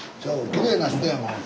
きれいな人やもん。